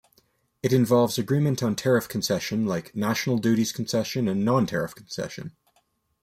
It involves agreement on tariff concession like national duties concession and non-tariff concession.